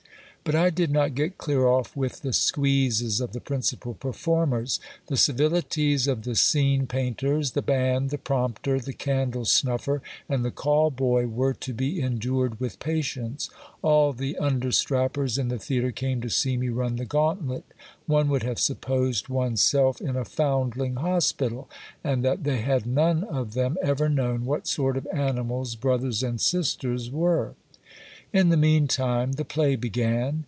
But I did not get clear off with the squeezes of the principal performers. The civilities of the scene painters, the band, the prompter, the candle snuffer, and the call boy were to be endured with patience ; all the understrappers in the theatre came to see me run the gauntlet. One would have supposed one's self in a foundling hospital, and that they had none of them ever known what sort of animals brothers and sisters were. In the mean time the play began.